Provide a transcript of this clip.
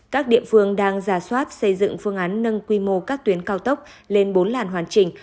các địa phương đang giả soát xây dựng phương án nâng quy mô các tuyến cao tốc lên bốn làn hoàn chỉnh